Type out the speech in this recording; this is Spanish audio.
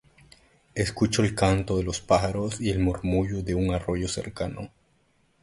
Escucho el canto de los pájaros y el murmullo de un arroyo cercano.